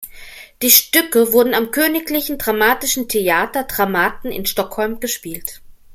Die Stücke wurden am Königlichen Dramatischen Theater "Dramaten" in Stockholm gespielt.